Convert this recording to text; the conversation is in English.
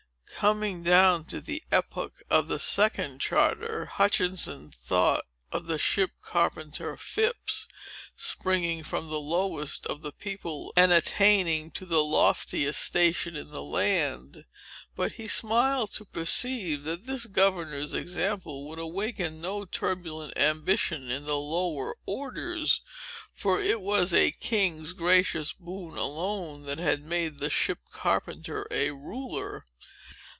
Coming down to the epoch of the second charter, Hutchinson thought of the ship carpenter Phips, springing from the lowest of the people, and attaining to the loftiest station in the land. But, he smiled to perceive that this governor's example would awaken no turbulent ambition in the lower orders, for it was a king's gracious boon alone that made the ship carpenter a ruler.